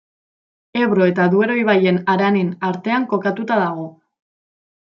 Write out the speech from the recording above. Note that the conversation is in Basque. Ebro eta Duero ibaien haranen artean kokatuta dago.